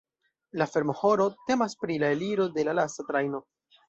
La fermo-horo temas pri la eliro de la lasta trajno.